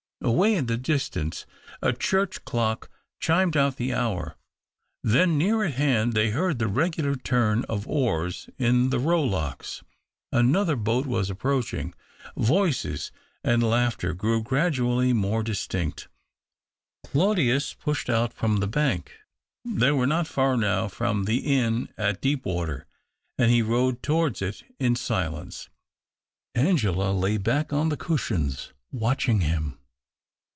Away in the distance a church clock chimed out the hour. Then near at hand they heard the regular turn of oars in the rowlocks ; another boat was approaching ; voices and laughter grew gradually more distinct. Claudius pushed out from the bank. They were not far now from the inn at Deepwater, and he rowed towards it in silence. Angela lay back on the cushions, watching him.